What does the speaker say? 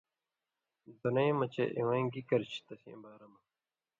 دُنئ مہ چےۡ اِوَیں گی کرچھی تسیں بارہ مہ